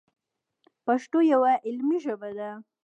پښتو یوه علمي ژبه ده.